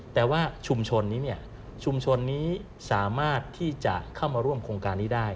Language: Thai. แต่ว่าชุมชนนี้สามารถที่จะเข้ามาร่วมโครงการนี้ได้